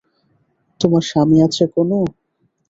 তোমার স্বামী আছে কোনো?